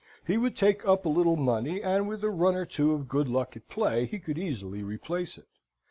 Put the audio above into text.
He would take up a little money, and with a run or two of good luck at play he could easily replace it.